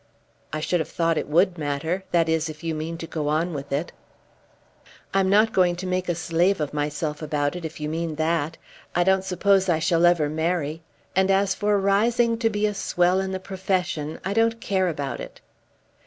"I should have thought it would matter; that is, if you mean to go on with it." "I'm not going to make a slave of myself about it, if you mean that. I don't suppose I shall ever marry, and as for rising to be a swell in the profession, I don't care about it."